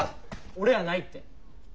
俺やないって。